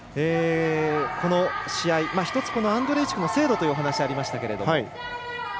この試合、１つアンドレイチクの精度というお話ありましたけれども。